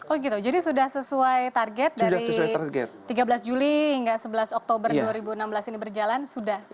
oh gitu jadi sudah sesuai target dari tiga belas juli hingga sebelas oktober dua ribu enam belas ini berjalan sudah